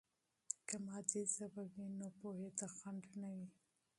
که مادي ژبه وي، نو پوهې ته خنډ نه وي.